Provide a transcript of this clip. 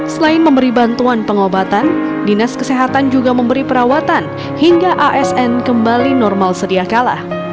selain memberi bantuan pengobatan dinas kesehatan juga memberi perawatan hingga asn kembali normal sedia kalah